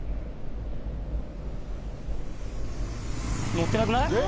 乗ってなくない？